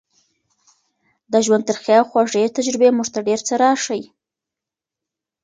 د ژوند ترخې او خوږې تجربې موږ ته ډېر څه راښيي.